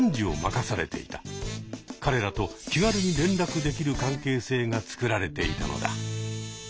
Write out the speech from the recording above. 彼らと気軽に連絡できる関係性が作られていたのだ。